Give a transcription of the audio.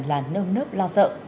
là nơm nớp lo sợ